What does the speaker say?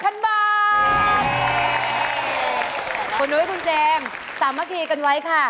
คนโน้ยของทุนแจงสามารถทีกันไว้ค่ะ